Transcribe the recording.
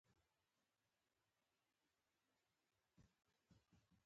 عبارت له دوو یا زیاتو کليمو څخه جوړ يي.